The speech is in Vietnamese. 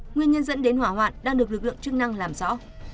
nguyên nhân dẫn đến hỏa hoạn đang được lực lượng chức năng làm rõ